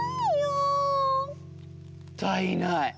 もったいない。